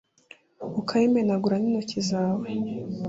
ukayimenagura n'intoki zawe